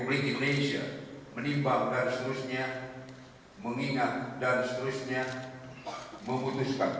lalu kebangsaan indonesia baik